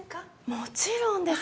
もちろんです。